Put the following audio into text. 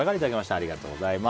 ありがとうございます。